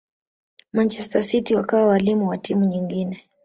manchester city wakawa walimu wa timu nyingine